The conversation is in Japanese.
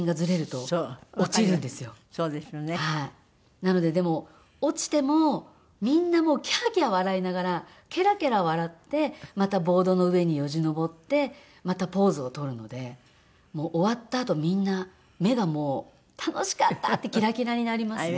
なのででも落ちてもみんなキャーキャー笑いながらケラケラ笑ってまたボードの上によじ登ってまたポーズを取るので終わったあとみんな目がもう楽しかった！ってキラキラになりますね。